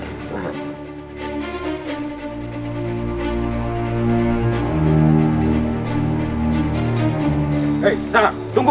hei sangka tunggu